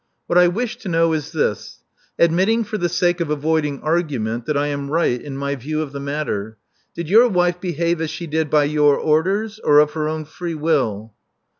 What I wish to know is this. Admit ting, for the sake of avoiding argument, that I am right in my view of the matter, did your wife behave as she did by your orders, or of her own free will?"